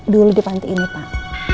dulu di panti ini pak